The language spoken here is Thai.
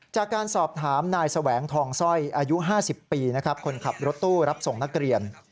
จากการสอบถามนายแสวงทองสร้อยอายุ๕๐ปีนะครับคนขับรถตู้รับส่งนักเรียน